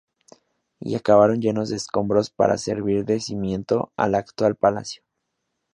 Y acabaron llenos de escombros para servir de cimiento al actual Palacio.